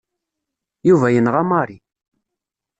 Yuba yenɣa Mary.